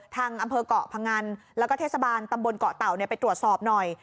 ทางอำเภอกเกาะพงันแล้วก็เทศบาลตำบลเกาะเต่าไปตรวจสอบหน่อย